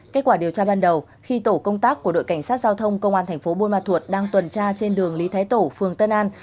kết quả điều tra ban đầu khi tổ công tác của đội cảnh sát giao thông công an thành phố buôn ma thuột đang tuần tra trên đường lý thái tổ phường tân an